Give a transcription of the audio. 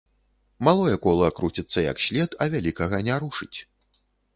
Малое кола круціцца як след, а вялікага не рушыць.